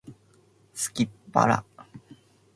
空腹